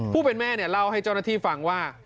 ผู้เป็นแม่เล่าให้เจ้าหน้าที่ฟังว่า